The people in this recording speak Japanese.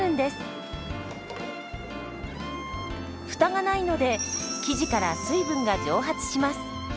フタがないので生地から水分が蒸発します。